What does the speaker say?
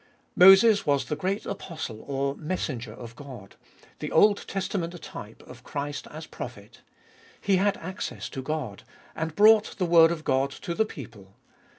Moses was the great apostle or messenger of God, the Old Testament type of Christ as prophet. He had access to God, and brought the word of God to the people.